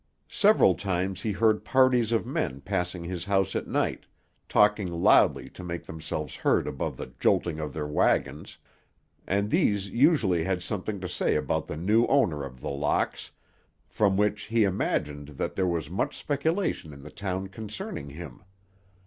Several times he heard parties of men passing his house at night, talking loudly to make themselves heard above the jolting of their wagons; and these usually had something to say about the new owner of The Locks, from which he imagined that there was much speculation in the town concerning him.